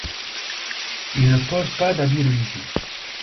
Ils ne portent pas d'habit religieux.